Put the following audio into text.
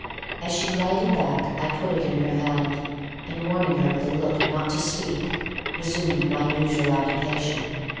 As she glided back, I put it in her hand, and warning her with a look not to speak, resumed my usual occupation.